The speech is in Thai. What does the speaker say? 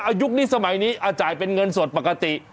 อายุคนี้สมัยนี้อ่าจ่ายเป็นเงินสดประกาศตรี